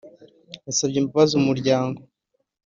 yasabye imbabazi umuryango